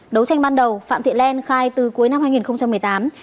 đấu tranh ban đầu phạm thị lan khai từ cuối năm hai nghìn một mươi tám